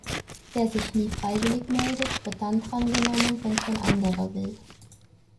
Wer sich nie freiwillig meldet, wird dann drangenommen, wenn kein anderer will.